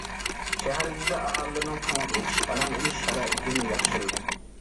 شەھەر، يېزا ئاھالىلىرىنىڭ كۆڭۈل ئېچىش، ئارام ئېلىش شارائىتىنى ياخشىلىدى.